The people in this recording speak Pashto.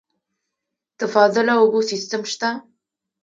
د فاضله اوبو سیستم شته؟